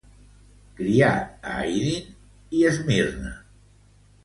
Criat a Aydın i Esmirna.